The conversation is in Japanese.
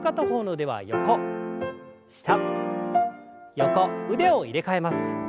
腕を入れ替えます。